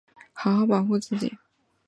好好保护自己